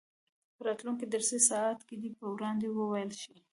په راتلونکي درسي ساعت کې دې په وړاندې وویل شي.